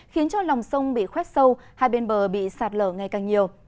khiến cho lòng sông bị khoét sâu hai bên bờ bị sạt lở ngày càng nhiều